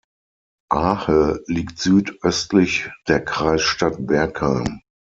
Ahe liegt süd-östlich der Kreisstadt Bergheim.